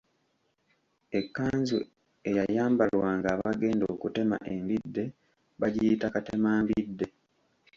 Ekkanzu eyayambalwanga abagenda okutema embidde bagiyita katemambidde.